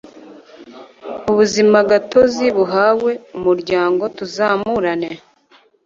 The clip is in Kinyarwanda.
ubuzima gatozi buhawe umuryango tuzamurane